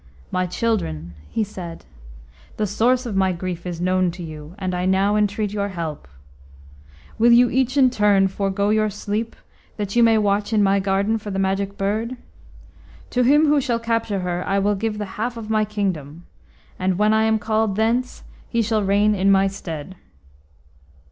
"My children," he said, "the source of my grief is known to you, and now I entreat your help. Will you each in turn forego your sleep, that you may watch in my garden for the Magic Bird? To him who shall capture her, I will give the half of my kingdom, and when I am called thence he shall reign in my stead."